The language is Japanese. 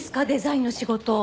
デザインの仕事。